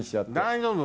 大丈夫。